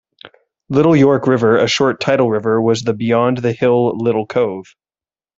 Little York River, a short tidal river, was the Beyond-the-hill-little-cove.